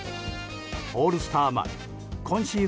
オールスター